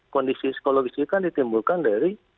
kondisi psikologis ini kan ditimbulkan dari